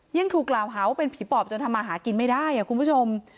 ยังถูกกล่าวหาว่าเป็นผีปอบจนทำมาหากินไม่ได้คุณผู้ชม